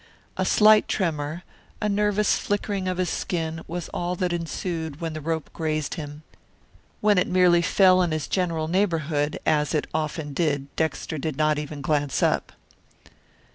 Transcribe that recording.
A slight tremor, a nervous flickering of his skin, was all that ensued when the rope grazed him. When it merely fell in his general neighbourhood, as it oftener did, Dexter did not even glance up.